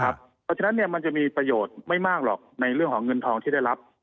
เพราะฉะนั้นมันจะมีประโยชน์ไม่มากหรอกในเรื่องของเงินทองที่ได้รับ